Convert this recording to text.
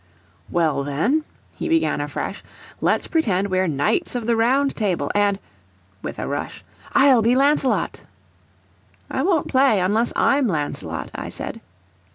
"Well, then," he began afresh, "let's pretend we're Knights of the Round Table; and (with a rush) I'll be Lancelot!" "I won't play unless I'm Lancelot," I said.